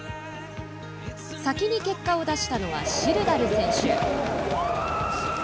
先に結果を出したのはシルダル選手。